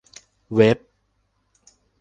เว็บ